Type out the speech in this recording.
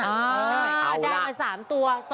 ได้มา๓ตัว